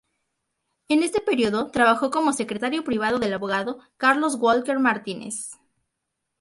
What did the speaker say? En este período trabajó como secretario privado del abogado Carlos Walker Martínez.